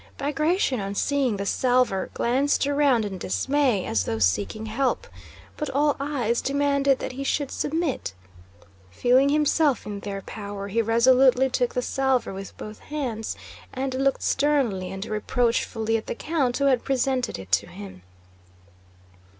Bagratión, on seeing the salver, glanced around in dismay, as though seeking help. But all eyes demanded that he should submit. Feeling himself in their power, he resolutely took the salver with both hands and looked sternly and reproachfully at the count who had presented it to him.